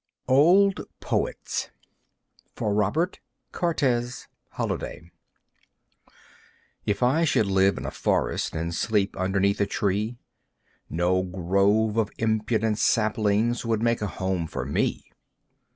Old Poets (For Robert Cortez Holliday) If I should live in a forest And sleep underneath a tree, No grove of impudent saplings Would make a home for me.